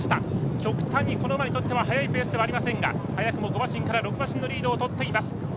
極端にこの馬にとっては速いペースではありませんが早くも５馬身から６馬身のリードを取っています。